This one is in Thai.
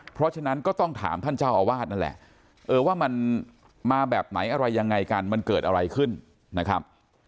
เพราะฉะนั้นก็ต้องถามท่านเจ้าอาวาสนั่นแหละว่ามันมาแบบไหนอะไรยังไงกันมันเกิดอะไรขึ้นนะครับ